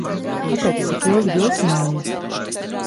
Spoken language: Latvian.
Kāpēc tik ilgi vilcinājies?